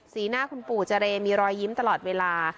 หน้าคุณปู่เจรมีรอยยิ้มตลอดเวลา